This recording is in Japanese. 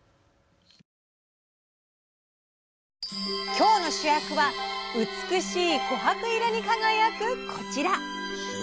今日の主役は美しいコハク色に輝くこちら！